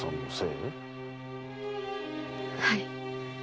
はい。